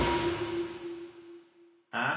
あっ。